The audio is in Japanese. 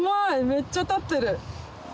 めっちゃ立ってる。